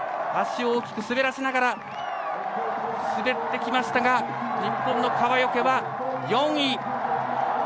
足を大きく滑らせながら滑ってきましたが日本の川除は４位。